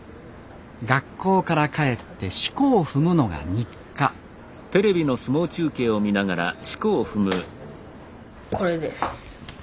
学校から帰ってしこを踏むのが日課これです。